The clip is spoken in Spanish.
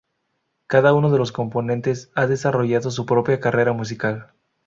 Cada uno de los componentes ha desarrollado su propia carrera musical.